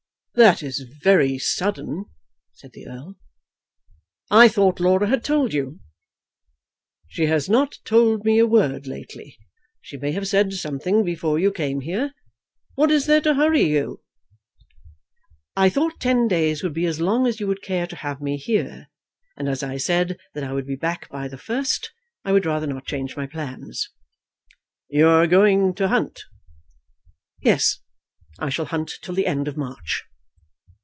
"That is very sudden," said the Earl. "I thought Laura had told you." "She has not told me a word lately. She may have said something before you came here. What is there to hurry you?" "I thought ten days would be as long as you would care to have me here, and as I said that I would be back by the first, I would rather not change my plans." "You are going to hunt?" "Yes; I shall hunt till the end of March."